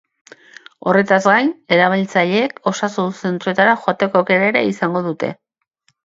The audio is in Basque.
Horrez gain, erabiltzaileek osasun zentroetara joateko aukera ere izango dute.